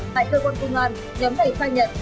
tại cơ quan công an nhóm này phai nhận